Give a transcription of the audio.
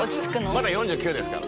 まだ４９ですから。